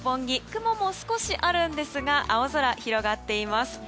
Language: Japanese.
雲も少しあるんですが青空が広がっています。